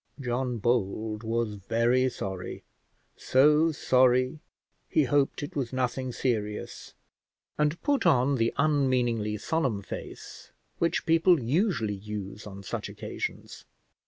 John Bold was very sorry, so sorry: he hoped it was nothing serious, and put on the unmeaningly solemn face which people usually use on such occasions.